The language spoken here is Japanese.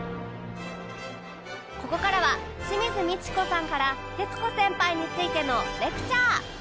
ここからは清水ミチコさんから徹子先輩についてのレクチャー